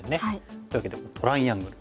というわけでトライアングル。